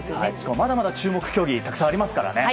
まだまだ注目競技たくさんありますからね。